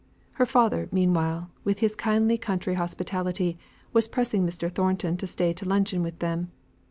Her father, meanwhile, with his kindly country hospitality, was pressing Mr. Thornton to stay to luncheon with them.